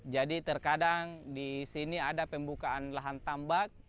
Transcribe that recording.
jadi terkadang di sini ada pembukaan lahan tambak